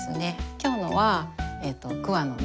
今日のは桑の実。